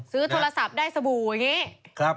ซื้อโทรศัพท์ได้สบู่อย่างนี้